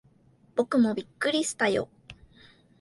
僕もびっくりしたよ。